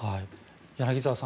柳澤さん